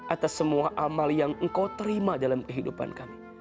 atas semua amal yang engkau terima dalam kehidupan kami